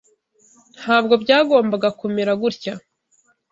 Ntabwo byagombaga kumera gutya.